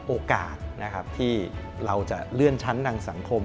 โอกาสที่เราจะเลื่อนชั้นดังสังคม